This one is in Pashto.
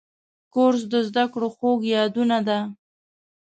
کورس د زده کړو خوږ یادونه ده.